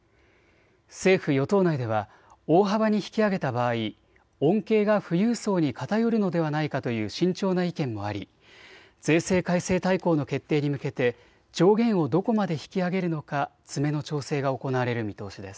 政府与党内では大幅に引き上げた場合、恩恵が富裕層に偏るのではないかという慎重な意見もあり税制改正大綱の決定に向けて上限をどこまで引き上げるのか詰めの調整が行われる見通しです。